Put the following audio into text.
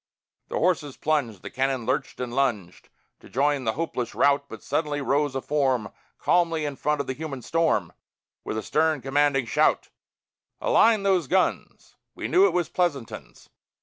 The horses plunged, The cannon lurched and lunged, To join the hopeless rout. But suddenly rose a form Calmly in front of the human storm, With a stern commanding shout: "Align those guns!" (We knew it was Pleasanton's.)